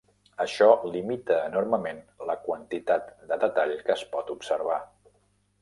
Això limita enormement la quantitat de detall que es pot observar.